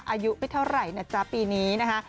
อายุไม่เท่าไหร่นะจ๊ะปีนี้นะคะ